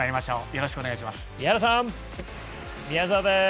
よろしくお願いします。